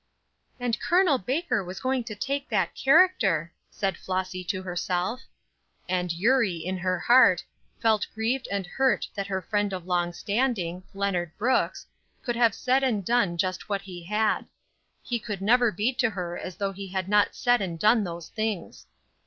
"And Col. Baker was going to take that character," said Flossy to herself. And Eurie, in her heart, felt grieved and hurt that her friend of long standing, Leonard Brooks, could have said and done just what he had; he could never be to her as though he had not said and done those things.